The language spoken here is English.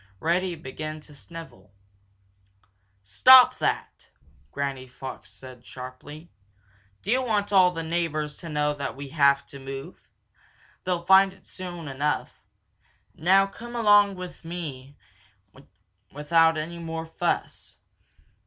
Reddy began to snivel. "Stop that!" said Granny Fox sharply. "Do you want all the neighbors to know that we have got to move? They'll find it out soon enough. Now come along without any more fuss.